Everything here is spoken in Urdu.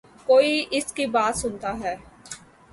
کوئی اس کی بات سنتا ہے۔